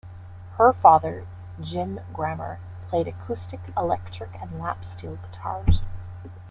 Her father, Jim Grammer, played acoustic, electric, and lap steel guitars.